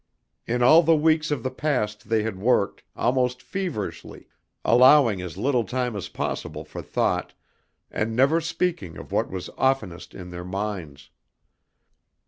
In all the weeks of the past they had worked, almost feverishly, allowing as little time as possible for thought, and never speaking of what was oftenest in their minds.